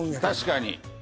確かに。